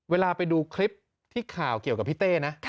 เวลาไปดูคลิปที่ข่าวเกี่ยวกับพี่เต้นะ